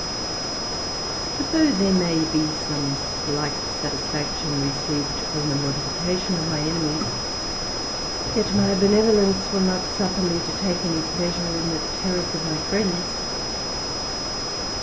But though there may be some slight satisfaction received ^ni the mortification of my enemies, yet my benevolence ^U not suffer me to take any pleasure in the terrours of. my Wends.